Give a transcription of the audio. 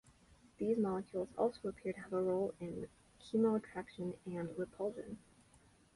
These molecules also appear to have a role in chemoattraction and repulsion.